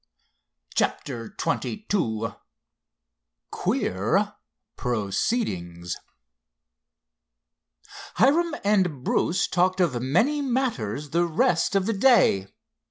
CHAPTER XXII QUEER PROCEEDINGS Hiram and Bruce talked of many matters the rest of that day.